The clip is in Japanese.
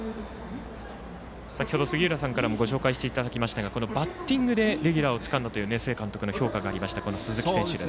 先ほど杉浦さんからもご紹介していただきましたがこのバッティングでレギュラーをつかんだという須江監督の評価がありました鈴木。